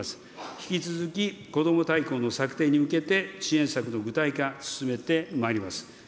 引き続き、こども大綱の策定に向けて、支援策の具体化、進めてまいります。